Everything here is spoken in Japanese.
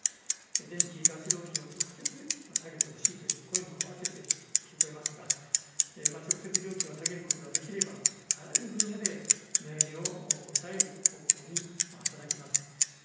電気、ガス料金を直接下げてほしいという声もあわせて、聞こえますが、直接料金を下げることができれば、あらゆる分野で値上げを抑える方向に働きます。